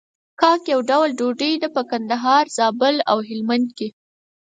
کاک يو ډول ډوډۍ ده په کندهار، زابل او هلمند کې.